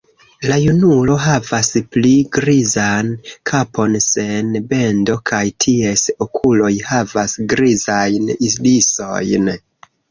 La junulo havas pli grizan kapon sen bendo kaj ties okuloj havas grizajn irisojn.